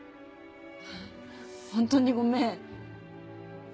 ホントにごめん。